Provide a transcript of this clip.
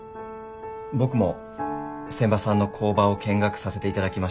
僕も仙波さんの工場を見学させていただきました。